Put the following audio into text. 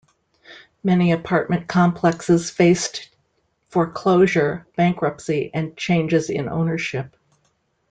Many apartment complexes faced foreclosure, bankruptcy, and changes in ownership.